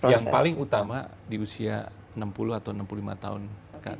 yang paling utama di usia enam puluh atau enam puluh lima tahun ke atas